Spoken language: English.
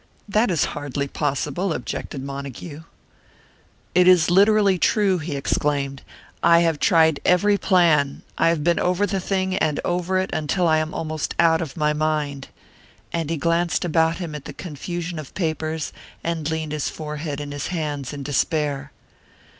"That is hardly possible," objected Montague. "It is literally true!" he exclaimed. "I have tried every plan I have been over the thing and over it, until I am almost out of my mind." And he glanced about him at the confusion of papers, and leaned his forehead in his hands in despair.